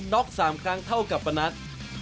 ็อก๓ครั้งเท่ากับปนัท